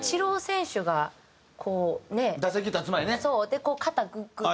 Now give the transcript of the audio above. でこう肩グッグッて。